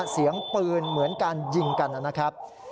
เสียงปืนเหมือนการยิงกันนะครับ